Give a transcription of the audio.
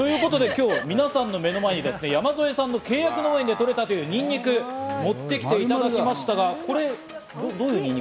今日は皆さんの目の前に山添さんの契約農園で採れたにんにくを持って来ていただきました。